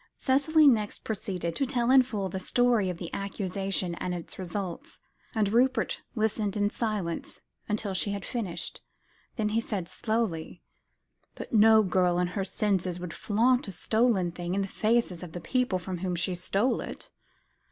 Cicely next proceeded to tell in full the story of the accusation and its results, and Rupert listened in silence, until she had finished. Then he said slowly "But no girl in her senses would flaunt a stolen thing in the faces of the people from whom she stole it.